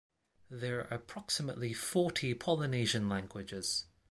There are approximately forty Polynesian languages.